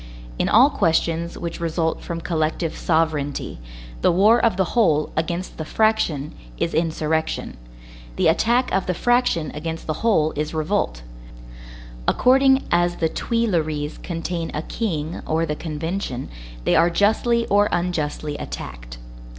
In all questions which result from collective sovereignty, the war of the whole against the fraction is insurrection; the attack of the fraction against the whole is revolt; according as the Tuileries contain a king or the Convention, they are justly or unjustly attacked.